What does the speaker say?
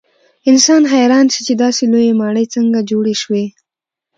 انسان حیران شي چې داسې لویې ماڼۍ څنګه جوړې شوې.